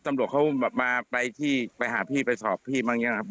ตำรวจเขามาไปที่ไปหาพี่ไปสอบพี่บ้างอย่างนี้นะครับ